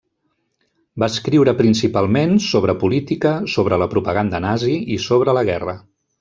Va escriure principalment sobre política, sobre la propaganda nazi i sobre la guerra.